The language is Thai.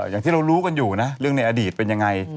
อย่างที่เรารู้กันอยู่นะเรื่องในอดีตเป็นยังไง